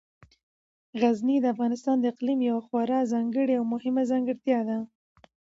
غزني د افغانستان د اقلیم یوه خورا ځانګړې او مهمه ځانګړتیا ده.